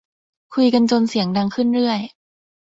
คุยกันจนเสียงดังขึ้นเรื่อย